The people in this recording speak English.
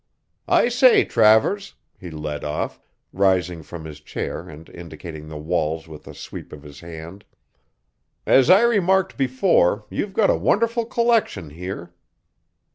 "I say, Travers," he led off, rising from his chair and indicating the walls with a sweep of his hand, "as I remarked before, you've got a wonderful collection here."